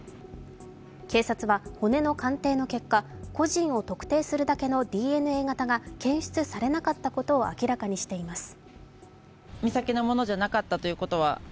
警察は骨の鑑定の結果個人を特定するだけのＤＮＡ型が検出されなかったことを明らかにしています。